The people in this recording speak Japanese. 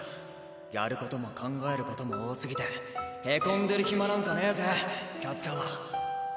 やることも考えることも多すぎてへこんでる暇なんかねえぜキャッチャーは！